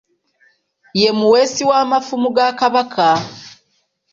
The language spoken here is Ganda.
Ye muweesi wa mafumu ga Kabaka.